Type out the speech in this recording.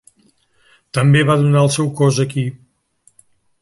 També va donar el seu cos aquí.